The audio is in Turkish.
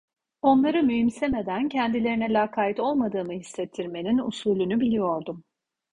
Onları mühimsemeden kendilerine lakayt olmadığımı hissettirmenin usulünü biliyordum.